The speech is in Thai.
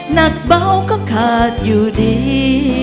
หนักเบาก็ขาดอยู่ดี